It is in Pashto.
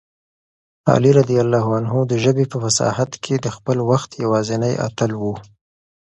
علي رض د ژبې په فصاحت کې د خپل وخت یوازینی اتل و.